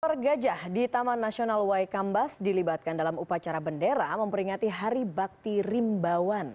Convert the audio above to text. pergajah di taman nasional waikambas dilibatkan dalam upacara bendera memperingati hari bakti rimbawan